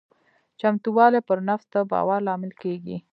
چمتووالی پر نفس د باور لامل کېږي.